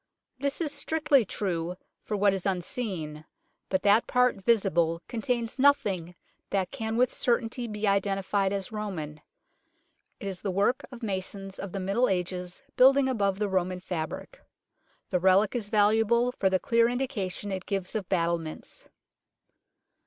This is strictly true for what is unseen, but that part visible contains nothing that can with certainty be identified as Roman. It is the work of masons of the Middle Ages building above the Roman fabric. The relic is valuable for the clear indication it gives of battlements.